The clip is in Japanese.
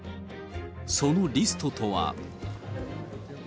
そのリストとは。